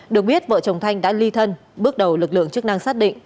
được biết vợ chồng thanh đã ly thân bước đầu lực lượng chức năng xác định